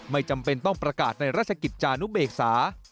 ไม่จำเป็นต้องประกาศในราชกิจจานุเบกษา